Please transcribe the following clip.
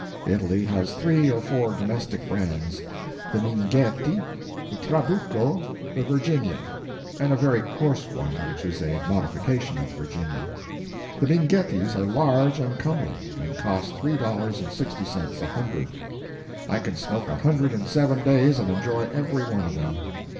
Italy has three or four domestic brands: the Minghetti, the Trabuco, the Virginia, and a very coarse one which is a modification of the Virginia. The Minghettis are large and comely, and cost three dollars and sixty cents a hundred; I can smoke a hundred in seven days and enjoy every one of them.